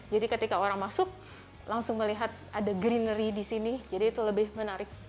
jadi ketika orang masuk langsung melihat ada greenery di sini jadi itu lebih menarik